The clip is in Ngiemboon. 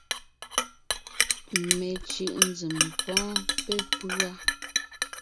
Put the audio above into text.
Mencʉ̀ʼ nzèm pɔ́ɔn pépʉ́a: